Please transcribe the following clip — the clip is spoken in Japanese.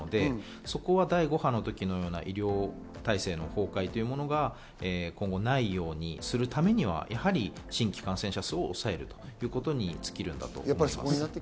そこは第５波の時のような医療体制の崩壊というものが今後ないようにするためには、やはり新規感染者数を抑えるということに尽きるかと思います。